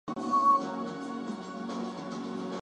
We consider two candidate models to represent "f": "g" and "g".